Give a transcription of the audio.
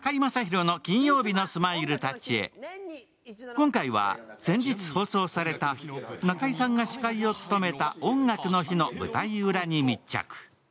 今回は先日放送された中居さんが司会を務めた「音楽の日」の舞台裏に密着。